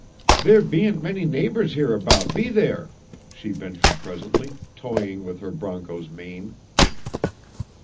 "There be'n't many neighbors hereabout, be there?" she ventured presently, toying with her broncho's mane.